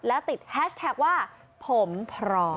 แล้วติดแฮชแท็กว่าผมพร้อม